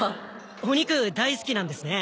お肉大好きなんですね。